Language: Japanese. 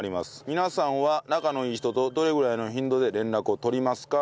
皆さんは仲のいい人とどれぐらいの頻度で連絡を取りますか？